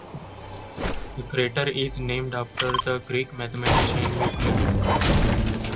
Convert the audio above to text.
The crater is named after the Greek mathematician Euclid.